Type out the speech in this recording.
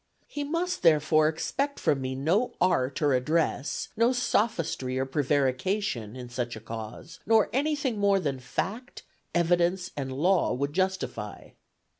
He must, therefore, expect from me no art or address, no sophistry or prevarication, in such a cause, nor any thing more than fact, evidence, and law would justify.